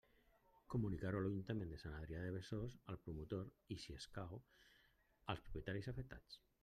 Comunicar-ho a l'Ajuntament de Sant Adrià de Besòs, al promotor i, si escau, als propietaris afectats.